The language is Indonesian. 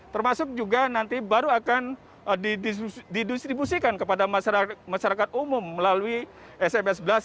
termasuk juga nanti baru akan didistribusikan kepada masyarakat umum melalui sms sebelas